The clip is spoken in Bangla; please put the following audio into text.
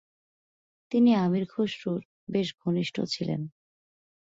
তিনি আমির খসরুর বেশ ঘনিষ্ঠ ছিলেন।